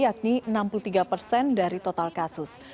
yakni enam puluh tiga persen dari total kasus